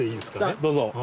どうぞ。